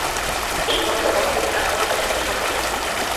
এই তন্ত্র মহামুদ্রা তত্ত্বের সঙ্গে সম্পর্কিত।